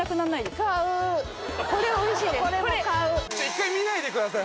１回見ないでください！